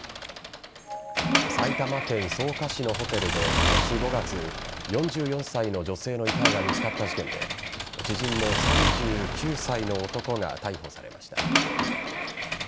埼玉県草加市のホテルで今年５月４４歳の女性の遺体が見つかった事件で知人の３９歳の男が逮捕されました。